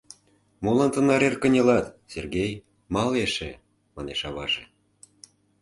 — Молан тынар эр кынелат, Сергей, мале эше, — манеш аваже.